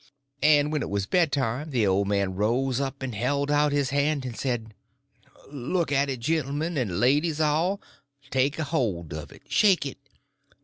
And when it was bedtime the old man rose up and held out his hand, and says: "Look at it, gentlemen and ladies all; take a hold of it; shake it.